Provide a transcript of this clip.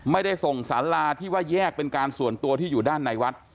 ไม่ได้ส่งสาราที่ว่าแยกเป็นการส่วนตัวที่อยู่ด้านในวัด